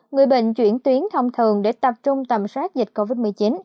người bệnh chuyển tuyến thông thường để tập trung tầm soát dịch covid một mươi chín